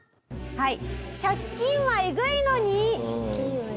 はい。